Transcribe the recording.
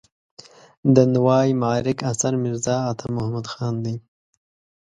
د نوای معارک اثر میرزا عطا محمد خان دی.